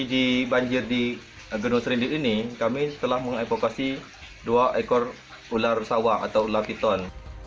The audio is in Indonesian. di banjir di agung sering di ini kami telah mengevakuasi dua ekor ular sawah atau ular piton